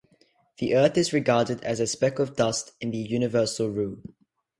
The Earth is regarded as "a speck of dust in the universal Rus".